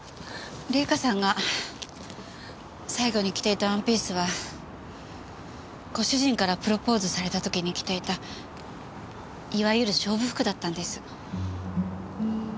玲香さんが最後に着ていたワンピースはご主人からプロポーズされた時に着ていたいわゆる勝負服だったんです。